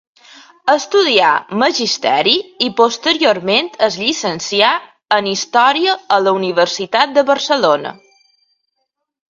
Estudià magisteri i posteriorment es llicencià en Història a la Universitat de Barcelona.